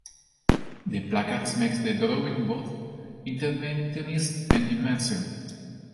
The placards make the drawings both interventionist and immersive.